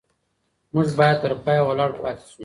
موږ باید تر پایه ولاړ پاتې شو.